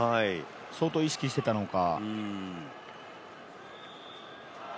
相当意識していたのか。